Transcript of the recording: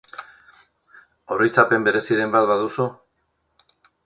Oroitzapen bereziren bat baduzu?